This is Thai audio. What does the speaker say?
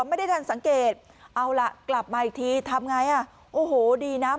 ไม่ได้ทันสังเกตเอาล่ะกลับมาอีกทีทำไงอ่ะโอ้โหดีนะ